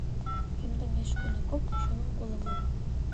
Кемдең эш көнө күп, шуның ҡулы мул.